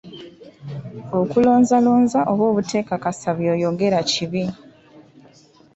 Okulonzalonza oba obuteekakasa by'oyogera kibi.